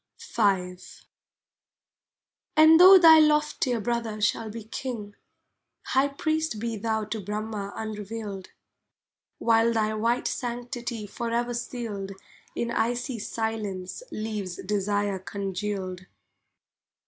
V And tho thy loftier Brother shall be King, High priest be thou to Brahma unrevealed, While thy white sanctity forever sealed In icy silence leaves desire congealed.